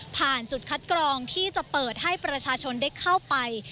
จุดคัดกรองที่จะเปิดให้ประชาชนได้เข้าไป